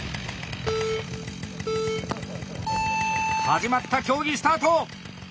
始まった競技スタート！